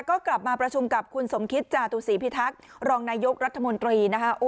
ก็กลับมาประชุมกับคุณสมคิตจาตุศีพิทักษ์รองนายกรัฐมนตรีนะคะ